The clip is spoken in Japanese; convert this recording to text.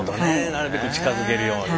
なるべく近づけるように。